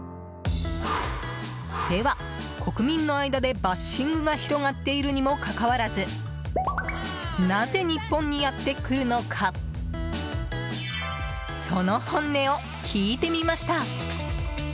では、国民の間でバッシングが広がっているにもかかわらずなぜ日本にやってくるのかその本音を聞いてみました。